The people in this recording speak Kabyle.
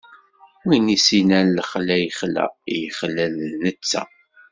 Win i s-innan lexla ixla, i yexlan d netta.